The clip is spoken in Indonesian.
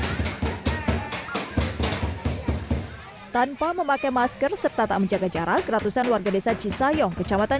hai tanpa memakai masker serta tak menjaga jarak ratusan warga desa cisayong kecamatan